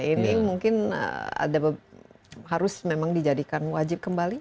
ini mungkin ada harus memang dijadikan wajib kembali